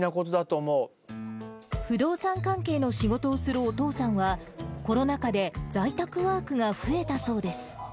不動産関係の仕事をするお父さんは、コロナ禍で在宅ワークが増えたそうです。